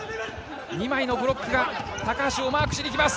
２枚のブロックが高橋をマークしに来ます。